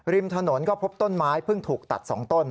ริมถนนก็พบต้นไม้เพิ่งถูกตัด๒ต้น